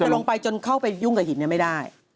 คือลงไปจนเข้าไปยุ่งกับหินไม่ได้